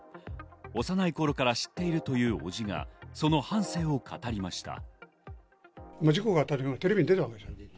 幼い頃から知っているという伯父が、その半生を語りました。